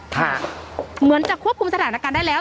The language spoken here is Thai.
เหมือนจะควบคุมสถานการณ์ได้แล้ว